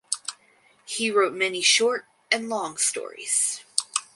He wrote many short and long stories.